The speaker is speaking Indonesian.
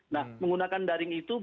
nah menggunakan daring itu